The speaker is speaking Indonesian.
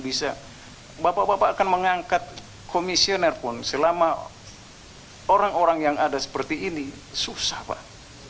bisa bapak bapak akan mengangkat komisioner pun selama orang orang yang ada seperti ini susah pak